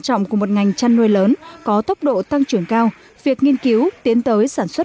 trọng của một ngành chăn nuôi lớn có tốc độ tăng trưởng cao việc nghiên cứu tiến tới sản xuất